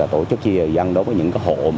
tổ chức chia dân đối với những hộ